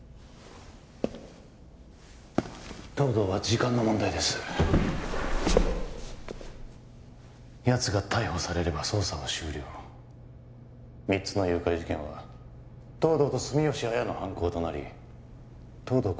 東堂は時間の問題ですやつが逮捕されれば捜査は終了三つの誘拐事件は東堂と住吉亜矢の犯行となり東堂心